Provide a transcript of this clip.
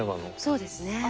そうですね。